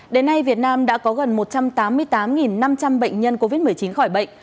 đến nay việt nam đã có gần một trăm tám mươi tám năm trăm linh bệnh nhân covid một mươi chín khỏi bệnh